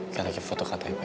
gak lagi foto kata empe